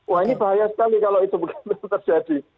wah ini bahaya sekali kalau itu terjadi